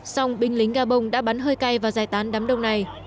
xong binh lính gà bông đã bắn hơi cay và giải tán đám đông này